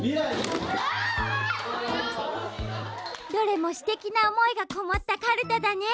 どれも、すてきな思いがこもったカルタだね。